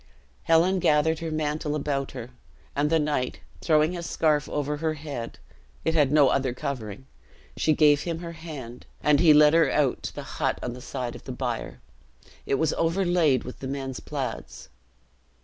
Helen gathered her mantle about her; and the knight, throwing his scarf over her head it had no other covering she gave him her hand, and he led her out on the hut to the side of the bier. It was overlaid with the men's plaids.